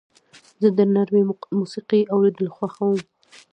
زه د نرمې موسیقۍ اورېدل خوښوم.